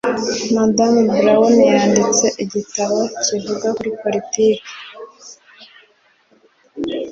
[Brown] Madamu Brown yanditse igitabo kivuga kuri politiki.